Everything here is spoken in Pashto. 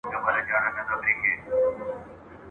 ځم د جنون په زولنو کي به لیلا ووینم ..